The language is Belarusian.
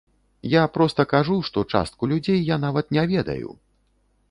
Я проста кажу, што частку людзей я нават не ведаю!